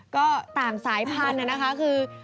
ก็ต่างสายพันธุ์นะคะคือ